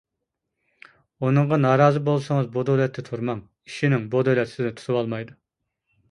ئۇنىڭغا نارازى بولسىڭىز بۇ دۆلەتتە تۇرماڭ، ئىشىنىڭ بۇ دۆلەت سىزنى تۇتۇۋالمايدۇ.